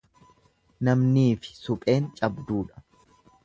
Namnii fi supheen cabduudha.